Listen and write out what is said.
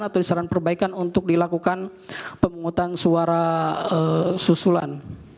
atau disaran perbaikan untuk dilakukan pemungutan suara susulan